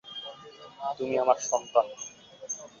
তুমি আমার সন্তান।